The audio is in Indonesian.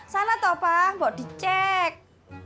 sana toh pak bawa dicek